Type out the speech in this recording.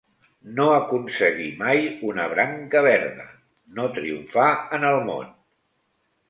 "No aconseguir mai una branca verda"; no triomfar en el món.